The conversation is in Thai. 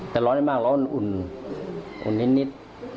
แต่ร้อนได้มากร้อนอุ่นอุ่นนิด